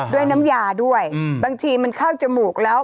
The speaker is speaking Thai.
ด้วยน้ำยาด้วยบางทีมันเข้าจมูกแล้ว